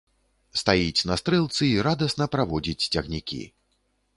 Стаіць на стрэлцы і радасна праводзіць цягнікі.